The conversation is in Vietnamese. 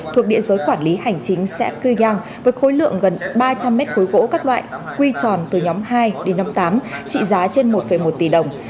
thuộc địa giới quản lý hành chính xã cư giang với khối lượng gần ba trăm linh mét khối gỗ các loại quy tròn từ nhóm hai đến năm tám trị giá trên một một tỷ đồng